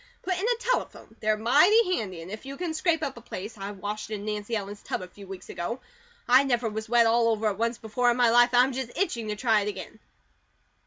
Put in a telephone; they're mighty handy, and if you can scrape up a place I washed in Nancy Ellen's tub a few weeks ago. I never was wet all over at once before in my life, and I'm just itching to try it again.